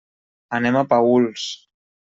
Anem a Paüls.